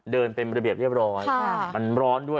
เดินเป็นระเบียบเรียบร้อยมันร้อนด้วย